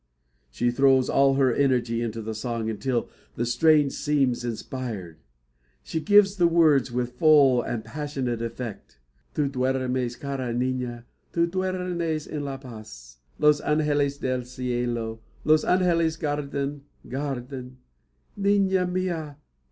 She throws all her energy into the song until the strain seems inspired. She gives the words with full and passionate effect "Tu duermes, cara nina! Tu duertnes en la paz. Los angeles del cielo Los angeles guardan, guardan, Nina mia!